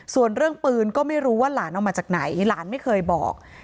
ส่วนเรื่องปืนก็ไม่รู้ว่าหลานออกมาจากไหนหลานไม่เคยบอก